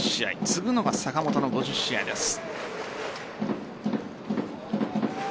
次ぐのが坂本の５０試合です。